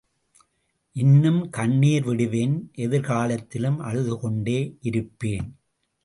இன்னும் கண்ணீர் விடுவேன் எதிர்காலத்திலும் அழுது கொண்டே இருப்பேன்.